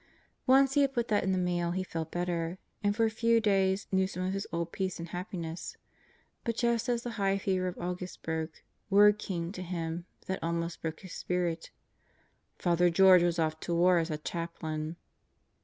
... Once he had put that in the mail he felt better and for a few days knew some of his old peace and happiness. But just as the high fever of August broke, word came to him that almost broke his spirit: Father George was off to war as a chaplain.